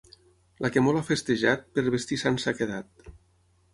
La que molt ha festejat, per vestir sants s'ha quedat.